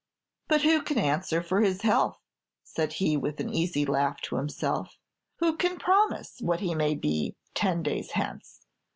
"But who can answer for his health?" said he, with an easy laugh to himself. "Who can promise what he may be ten days hence?"